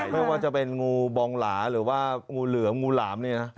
ไม่ว่าจะเป็นงูบองหลาหรือว่างูเหลือมงูหลามเนี่ยนะ